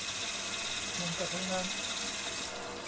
มันก็ทั้งนั้น